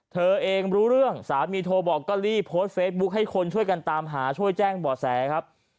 เธอเองรู้เรื่องสามีโทรบอกก็รีบโพสต์เฟซบุ๊คให้คนช่วยกันตามหาช่วยแจ้งบ่อแสครับ